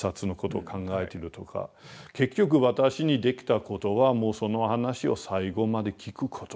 結局私にできたことはもうその話を最後まで聞くこと。